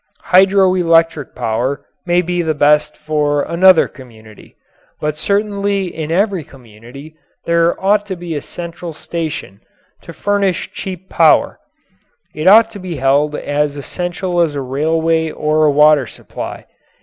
Hydro electric power may be best for another community. But certainly in every community there ought to be a central station to furnish cheap power it ought to be held as essential as a railway or a water supply.